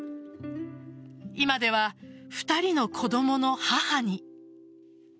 今では２人の子供の母に。